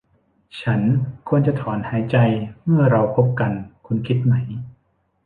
ฉันควรจะถอนหายใจเมื่อเราพบกันคุณคิดไหม ?